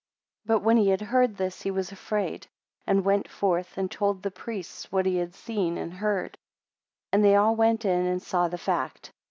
22 But when he heard this, he was afraid; and went forth and told the priests what he had seen and heard; and they all went in, and saw the fact.